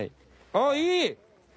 ああいい！